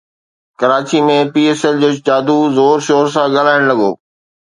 Karachi ۾ P S L جو جادو زور شور سان ڳالهائڻ لڳو